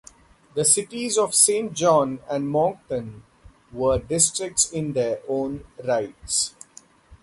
The cities of Saint John and Moncton were districts in their own rights.